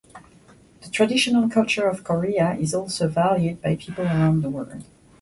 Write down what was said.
The traditional culture of Korea is also valued by people around the world.